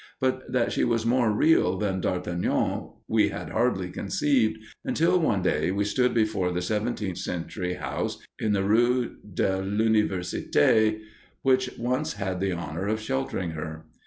But that she was more real than d'Artagnan we had hardly conceived, until one day we stood before the seventeenth century house in the rue de l'Université which once had the honor of sheltering her.